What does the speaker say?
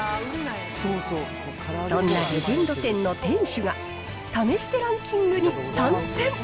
そんなレジェンド店の店主が試してランキングに参戦。